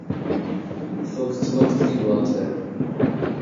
فقط وقت کی بات ہے۔